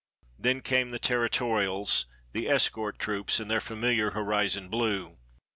Then came the Territorials, the escort troops, in their familiar horizon blue.